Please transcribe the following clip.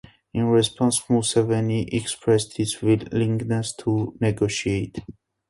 In response, Museveni expressed his willingness to negotiate.